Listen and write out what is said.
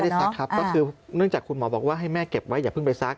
ซักครับก็คือเนื่องจากคุณหมอบอกว่าให้แม่เก็บไว้อย่าเพิ่งไปซัก